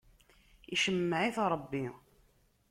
Icemmeɛ-it Ṛebbi.